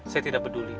saya tidak peduli